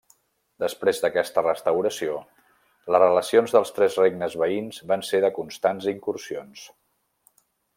Després d'aquesta restauració, les relacions dels tres regnes veïns van ser de constants incursions.